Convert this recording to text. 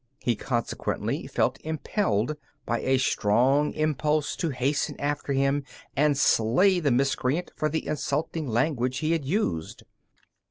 He consequently felt impelled by a strong impulse to hasten after him and slay the miscreant for the insulting language he had used.